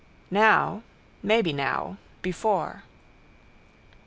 Now. Maybe now. Before.